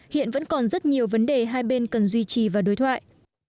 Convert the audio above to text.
hiện vẫn còn rất nhiều vấn đề hai bên cần duy trì và đối thoại